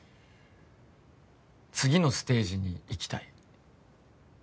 次のステージに行きたい